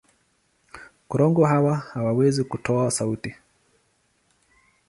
Korongo hawa hawawezi kutoa sauti.